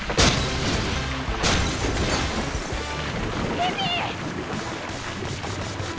ピピ！